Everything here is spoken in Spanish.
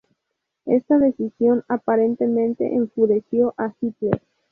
Esta decisión aparentemente enfureció a Hitler.